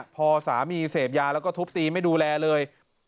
พอสามีเสพยาแล้วก็ทุบตีไม่ดูแลเลย